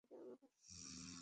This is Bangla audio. আমার সাহায্য লাগবে এক্ষুণি।